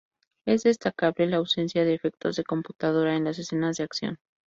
Es destacable la ausencia de efectos de computadora en las escenas de acción.